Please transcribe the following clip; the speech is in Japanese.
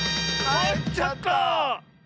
かえっちゃった！